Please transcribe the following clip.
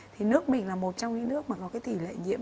thì nước mình là một trong những nước mà có cái tỷ lệ nhiễm